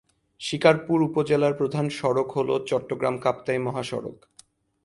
শিকারপুর উপজেলার প্রধান সড়ক হল চট্টগ্রাম-কাপ্তাই মহাসড়ক।